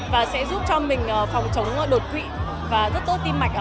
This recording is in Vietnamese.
và sẽ giúp cho mình phòng chống đột quỵ và rất tốt tim mạch